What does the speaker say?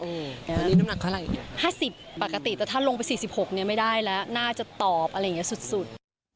น้ำหนักเขาอะไร๕๐ปกติแต่ถ้าลงไป๔๖เนี่ยไม่ได้ละน่าจะตอบอะไรอย่างเงี้ยสุด